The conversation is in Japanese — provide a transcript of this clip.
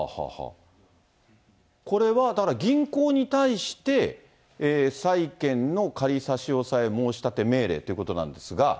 これは、だから銀行に対して債権の仮差し押さえ申し立て命令ということなんですが。